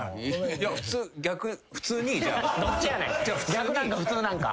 逆なんか普通なんか。